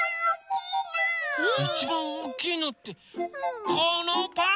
いちばんおおきいのってこのパン？